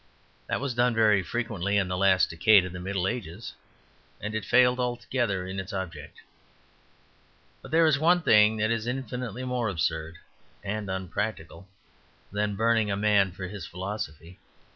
That was done very frequently in the last decadence of the Middle Ages, and it failed altogether in its object. But there is one thing that is infinitely more absurd and unpractical than burning a man for his philosophy.